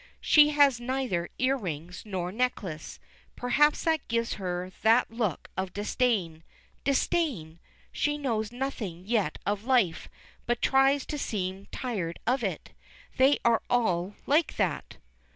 She has neither ear rings nor necklace; perhaps that gives her that look of disdain. Disdain! she knows nothing yet of life, but tries to seem tired of it. They are all like that.